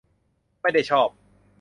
ไม่ได้ชอบ